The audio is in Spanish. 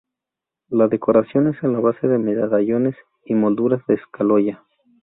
La decoración es a base de medallones y molduras de escayola.